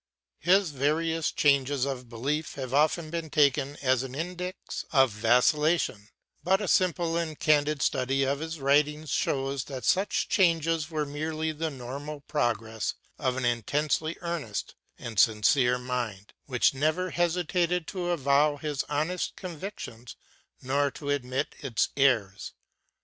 His various changes of belief have often been taken as an index of vacillation; but a simple and candid study of his writings shows that such changes were merely the normal progress of an intensely earnest and sincere mind, which never hesitated to avow its honest convictions nor to admit its errors.